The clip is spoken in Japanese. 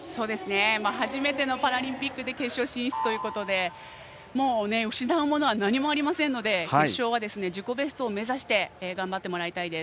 初めてのパラリンピックで決勝進出ということでもう、失うものは何もないので決勝は自己ベストを目指して頑張ってもらいたいです。